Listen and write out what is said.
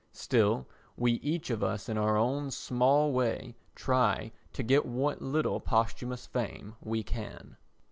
Still we each of us in our own small way try to get what little posthumous fame we can.